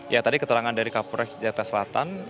ya tadi keterangan dari kapolri jatah selatan